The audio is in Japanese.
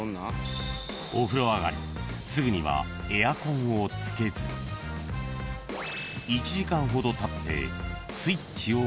［すぐにはエアコンをつけず１時間ほどたってスイッチを入れる］